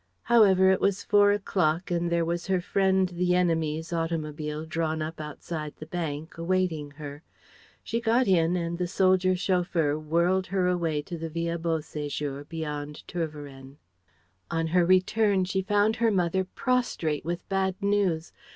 However, it was four o'clock, and there was her friend the enemy's automobile drawn up outside the bank, awaiting her. She got in, and the soldier chauffeur whirled her away to the Villa Beau séjour, beyond Tervueren. On her return she found her mother prostrate with bad news.